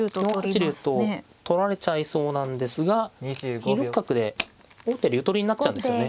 ４八竜と取られちゃいそうなんですが２六角で王手竜取りになっちゃうんですよね。